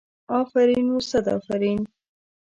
افرین و صد افرین.